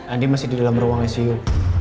andi masih di dalam ruang icu